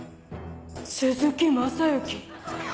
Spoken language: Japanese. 鈴木雅之！